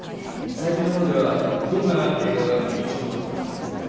最近のものではどんな映画が印象に残ってますか？